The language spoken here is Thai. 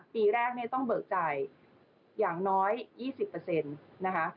ปีแรกเนี่ยต้องเบิกจ่ายอย่างน้อย๒๐นะคะ